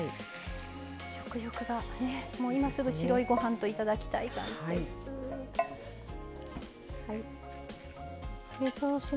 食欲が今すぐ白いご飯といただきたい感じです。